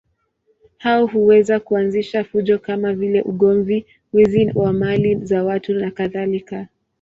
Hao huweza kuanzisha fujo kama vile ugomvi, wizi wa mali za watu nakadhalika.